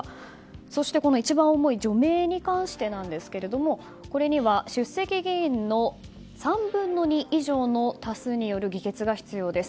そして一番重い除名に関してですがこれには出席議員の３分の２以上の多数による議決が必要です。